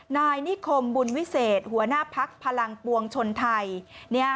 นายนิคมบุญวิเศษหัวหน้าพักพลังปวงชนไทย